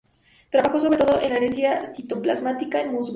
Trabajó sobre todo en la herencia citoplasmática en musgos.